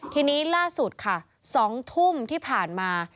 ทีนี้ล่าสุดค่ะ๒ทุ่มที่ผ่านมา